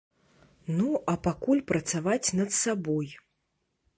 Ну, а пакуль працаваць над сабой.